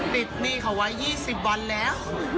หนี้เขาไว้๒๐วันแล้ว